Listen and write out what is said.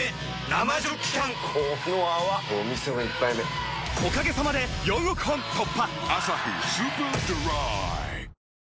生ジョッキ缶この泡これお店の一杯目おかげさまで４億本突破！